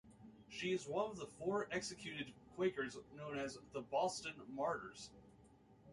She is one of the four executed Quakers known as the Boston martyrs.